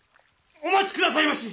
・お待ちくださいまし！